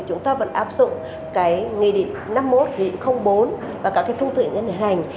chúng ta vẫn áp dụng nghị định năm mươi một nghị định bốn và các thông tin hướng dẫn hành